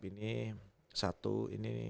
ini satu ini